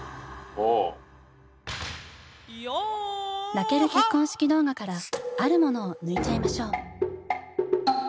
泣ける結婚式動画から「あるもの」を抜いちゃいましょう。